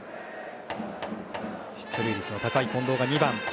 出塁率の高い近藤が２番。